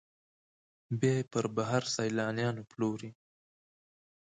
بیا یې پر بهر سیلانیانو پلوري.